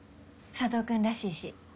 佐藤君らしいし。